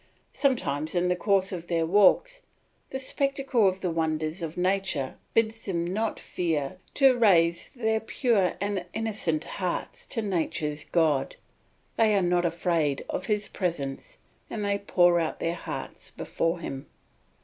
Sometimes in the course of their walks, the spectacle of the wonders of nature bids them not fear to raise their pure and innocent hearts to nature's God; they are not afraid of His presence, and they pour out their hearts before him.